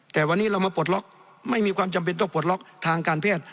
แต่วันนี้เรามาปลดล็อกไม่มีความจำเป็นต้องปลดล็อกทางการแพทย์